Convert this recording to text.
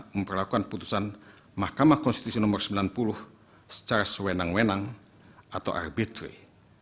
memperlakukan putusan mk no sembilan puluh secara sewenang wenang atau arbitrary